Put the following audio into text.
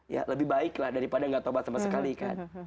ya lebih baik lah daripada nggak taubat sama sekali kan